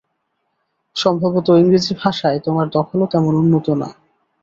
সম্ভবত ইংরেজি ভাষায় তোমার দখলও তেমন উন্নত না।